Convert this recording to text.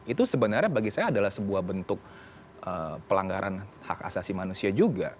itu sebenarnya bagi saya adalah sebuah bentuk pelanggaran hak asasi manusia juga